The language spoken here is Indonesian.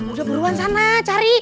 udah buruan sana cari